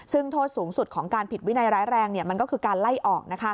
ซึ่งโทษสูงสุดของการผิดวินัยร้ายแรงมันก็คือการไล่ออก